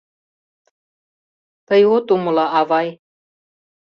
— Тый от умыло, авай.